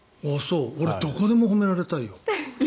俺、どこでも褒められたいよ。